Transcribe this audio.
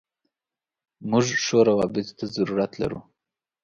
موږ ښو راوبطو ته ضرورت لرو.